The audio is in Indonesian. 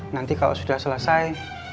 nanti kalau sudah selesai